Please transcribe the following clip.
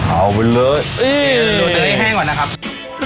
เอาไปเลยหลวนเนื้อแห้งก่อนนะครับ